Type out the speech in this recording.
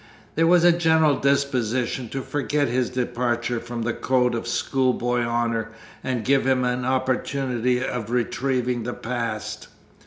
There was a general disposition to forget his departure from the code of schoolboy honour, and give him an opportunity of retrieving the past.